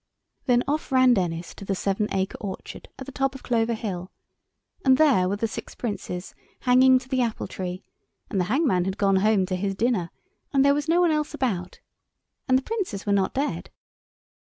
Then off ran Denis to the Seven Acre Orchard at the top of Clover Hill, and there were the six Princes hanging to the apple tree, and the hangman had gone home to his dinner, and there was no one else about. And the Princes were not dead.